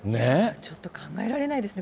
ちょっと考えられないですね。